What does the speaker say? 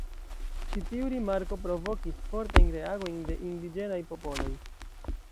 Ĉi tiu rimarko provokis fortajn reagojn de indiĝenaj popoloj.